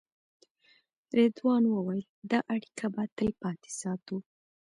رضوان وویل دا اړیکه به تلپاتې ساتو.